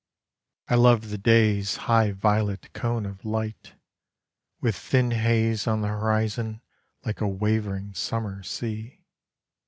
I love the day's High violet cone of light, With thin haze on the horizon Like a wavering summer sea.